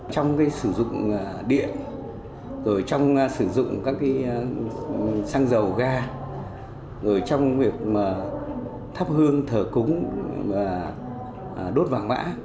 trong cái sử dụng điện rồi trong sử dụng các cái xăng dầu ga rồi trong việc thắp hương thở cúng đốt vàng vã